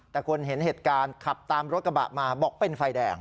แต่คนเห็นเหตุการณ์ขับตามรถกระบะมาบอกเป็นไฟแดง